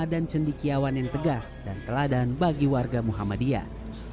dan cendikiawan yang tegas dan teladan bagi warga muhammadiyah